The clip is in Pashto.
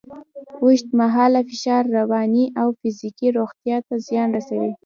اوږدمهاله فشار رواني او فزیکي روغتیا ته زیان رسوي.